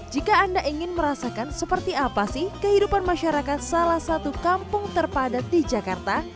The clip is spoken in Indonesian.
jika anda ingin merasakan seperti apa sih kehidupan masyarakat salah satu kampung terpadat di jakarta